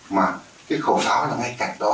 mà cái khẩu pháo là ngay cạnh đó